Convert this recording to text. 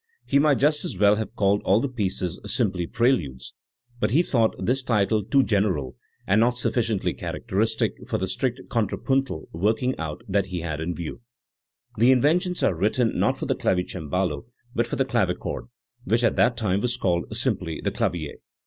He might just as well have called all the pieces simply "pre ludes" ; but he thought this title too general and not suf ficiently characteristic for the strict contrapuntal working out that he had in view, The Inventions are written not for the clavicembalo but for the clavichord, which at that time was called simply the "clavier".